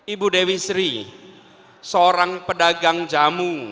ibu dewi sri seorang pedagang jamu